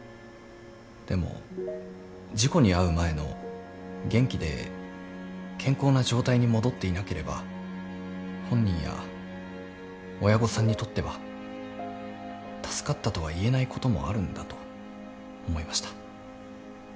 でも事故に遭う前の元気で健康な状態に戻っていなければ本人や親御さんにとっては助かったとは言えないこともあるんだと思いました。